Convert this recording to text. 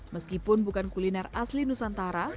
meskipun bukan kuliner asli nusantara